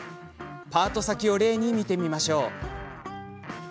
パート先を例に見てみましょう。